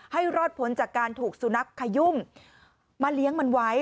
ให้รอดพ้นจากการถูกสุนัขขยุ่มมาเลี้ยงมันไว้